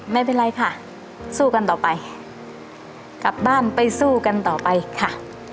ไม่เป็นไรค่ะสู้กันต่อไปกลับบ้านไปสู้กันต่อไปค่ะ